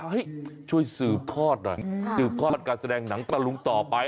ช่วยสืบทอดหน่อยสืบทอดการแสดงหนังตะลุงต่อไป